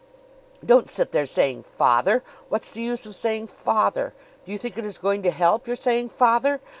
"Don't sit there saying 'Father!' What's the use of saying 'Father!'? Do you think it is going to help your saying 'Father!'?